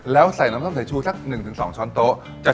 แล้วใส่น้ำส้มสายชูสัก๑๒ช้อนโต๊ะ